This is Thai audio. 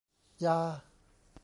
อย่า